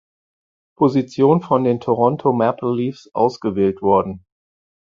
Position von den Toronto Maple Leafs ausgewählt worden.